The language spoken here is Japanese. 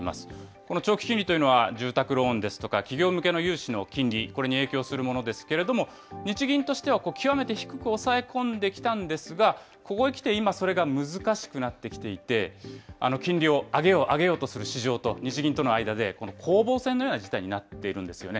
この長期金利というのは、住宅ローンですとか企業向けの融資の金利、これに影響するものですけれども、日銀としては極めて低く抑え込んできたんですが、ここへ来て、今、それが難しくなってきていて、金利を上げよう、上げようとする市場と、日銀との間で攻防戦のような事態になっているんですよね。